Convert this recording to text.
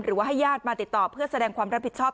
หรือว่าให้ญาติมาติดต่อเพื่อแสดงความรับผิดชอบ